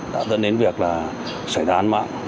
đã dẫn đến việc là xảy ra án mạng